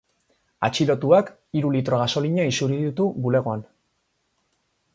Atxilotuak hiru litro gasolina isuri ditu bulegoan.